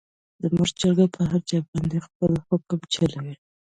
زموږ چرګه په هر چا باندې خپل حکم چلوي.